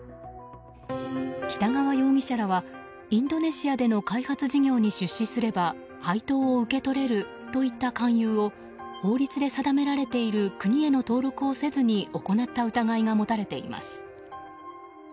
北川容疑者らはインドネシアでの開発事業に出資すれば配当を受け取れるといった勧誘を法律で定められている国への登録をせずに行った疑いが持たれています。